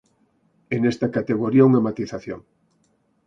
E nesta categoría unha matización.